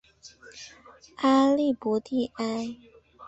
阿利博迪埃。